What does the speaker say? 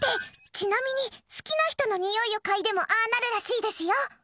ちなみに、好きな人のにおいをかいでもああなるらしいですよ！